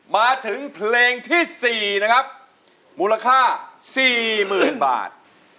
มาถึงเพลงที่๔นะครับมูลค่า๔๐๐๐บาท